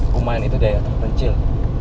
kumain itu daya terpencil